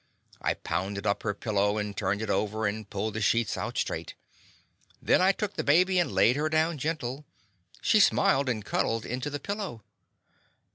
I pounded up her pillow, and turned it over, and pulled the sheets out straight. Then I took the baby and laid her down gentle. She smiled and cuddled into the pillow.